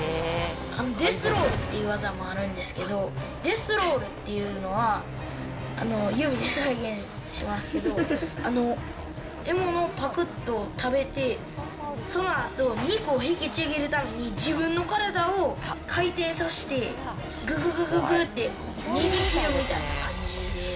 デスロールっていう技もあるんですけどデスロールっていうのは、指で再現しますけど、獲物をぱくっと食べて、そのあと、肉を引きちぎるために、自分の体を回転させて、ぐぐぐぐって、ねじ切るみたいな感じで。